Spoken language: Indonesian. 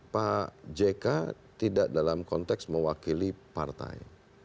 pak jk tidak dalam konteks mewakili partai